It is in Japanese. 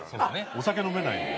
お酒飲めないんで。